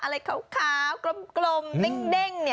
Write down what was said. อะไรขาวกลมเด้ง